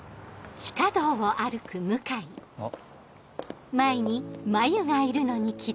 あっ。